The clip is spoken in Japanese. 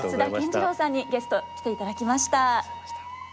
津田健次郎さんにゲスト来ていただきました。